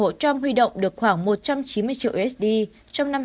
đi động được khoảng một trăm chín mươi triệu usd trong năm hai nghìn hai mươi ba